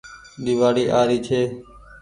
ۮيوآڙي آ ري ڇي